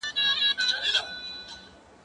زه اوږده وخت سبزیحات تياروم وم؟